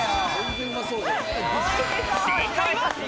正解は？